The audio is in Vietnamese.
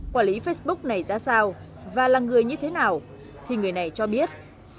quản lý facebook này ra sao và là người như thế nào thì người này cho biết